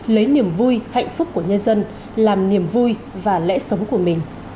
lấy niềm vui hạnh phúc của nhân dân làm niềm vui và lẽ sống của mình